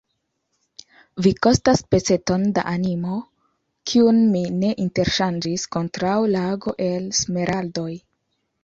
Vi kostas peceton da animo, kiun mi ne interŝanĝis kontraŭ lago el smeraldoj!